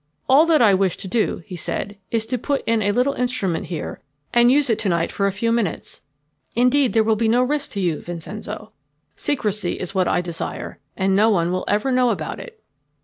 "All that I wish to do," he said, "is to put in a little instrument here and use it to night for a few minutes. Indeed, there will be no risk to you, Vincenzo. Secrecy is what I desire, and no one will ever know about it."